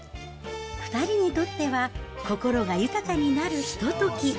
２人にとっては心が豊かになるひと時。